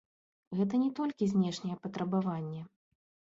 Гэта не толькі знешняе патрабаванне.